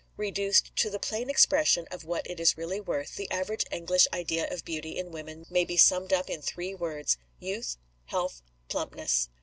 Reduced to the plain expression of what it is really worth, the average English idea of beauty in women may be summed up in three words youth, health, plumpness.